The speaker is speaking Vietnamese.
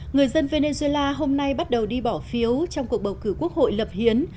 người dân venezuela hôm nay bắt đầu đi bỏ phiếu trong cuộc bầu cử quốc hội lập hiến